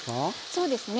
そうですね